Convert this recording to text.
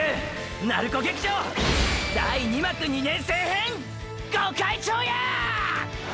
鳴子劇場第二幕２年生編御開帳や！！！